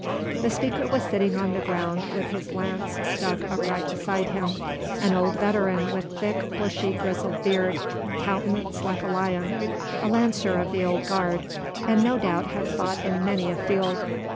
"The speaker was sitting on the ground with his lance stuck upright beside him—an old veteran with thick bushy, grizzly beard, countenance like a lion—a lancer of the old guard, and no doubt had fought in many a field.